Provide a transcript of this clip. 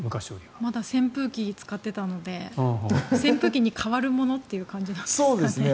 まだ扇風機を使っていたので扇風機に代わるものという感じですかね。